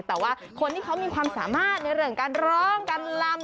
แต่ว่าคนที่เขามีความสามารถในเรื่องการร้องการลำ